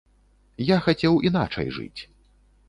Я хацеў іначай жыць.